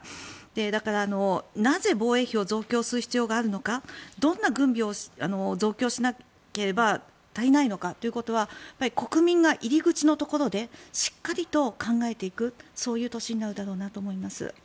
だから、なぜ防衛費を増強する必要があるのかどんな軍備を増強しなければ足りないのかということは国民が入り口のところでしっかりと考えていくそういう年になるだろうなと思います。